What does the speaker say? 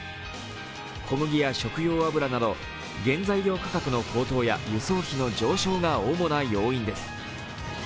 小麦や食用油など原材料価格の高騰や輸送費の上昇が主な要因です。